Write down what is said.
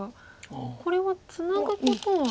これはツナぐことは。